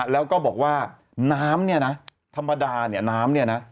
แล้วก็บอกว่าน้ำเนี่ยนะธรรมดาเนี่ยน้ำเนี่ยนะ